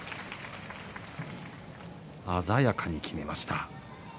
鮮やかに、きめました。